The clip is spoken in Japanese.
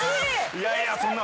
いやいやそんな。